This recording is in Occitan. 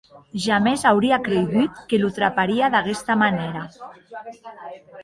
Jamès auria creigut que lo traparia d’aguesta manèra.